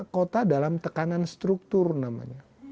kota dalam tekanan struktur namanya